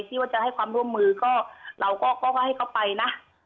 ที่ว่าจะให้ความร่วมมือก็เราก็ให้เขาไปนะ